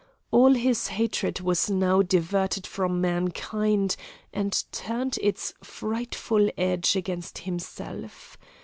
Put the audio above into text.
All his hatred was now diverted from mankind, and turned its frightful edge against himself.